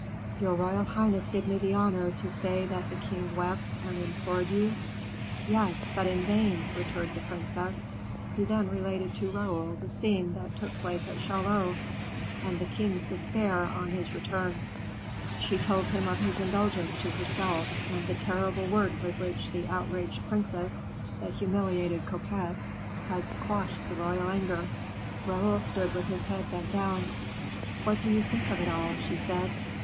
Your royal highness did me the honor to say that the king wept and implored you " "Yes, but in vain," returned the princess; who then related to Raoul the scene that took place at Chaillot, and the king's despair on his return; she told him of his indulgence to herself and the terrible word with which the outraged princess, the humiliated coquette, had quashed the royal anger. Raoul stood with his head bent down. "What do you think of it all?" she said.